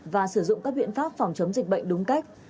và sử dụng các biện pháp phòng chống dịch bệnh đúng cách